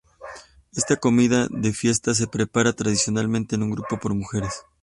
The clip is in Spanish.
Esta comida de fiesta se prepara tradicionalmente en grupo por mujeres.